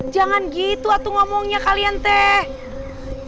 jangan gitu waktu ngomongnya kalian teg